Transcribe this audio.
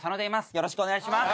よろしくお願いします。